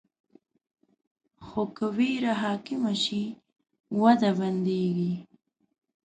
خو که ویره حاکمه شي، وده بندېږي.